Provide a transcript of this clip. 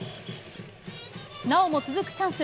なおも続くチャンス。